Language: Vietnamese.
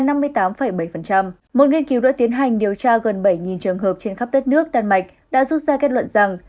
một nghiên cứu đã tiến hành điều tra gần bảy trường hợp trên khắp đất nước đan mạch đã rút ra kết luận rằng